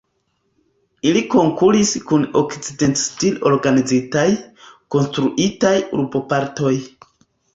Ili konkuris kun la okcident-stile organizitaj, konstruitaj urbopartoj.